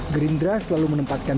gerindra selalu menempatkan